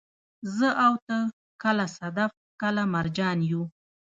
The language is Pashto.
زه او ته، کله صدف، کله مرجان يو